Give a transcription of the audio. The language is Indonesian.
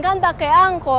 peraih kecewa ka